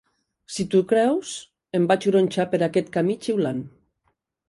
Si t'ho creus, em vaig gronxar per aquest camí xiulant.